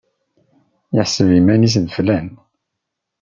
Yeḥseb iman-nnes d flan.